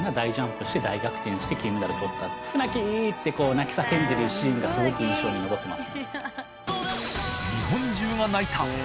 泣き叫んでるシーンがスゴく印象に残ってます。